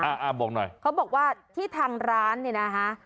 อ่าอ่าบอกหน่อยเขาบอกว่าที่ทางร้านเนี่ยนะฮะ